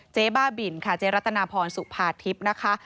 เจ๊บ้าบินค่ะเจ๊รัตนาพรสุภาทิพย์นะคะ